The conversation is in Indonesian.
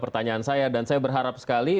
pertanyaan saya dan saya berharap sekali